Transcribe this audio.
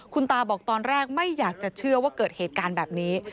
คุณตาบอกตอนแรกไม่อยากจะเชื่อว่าเกิดเหตุการณ์แบบนี้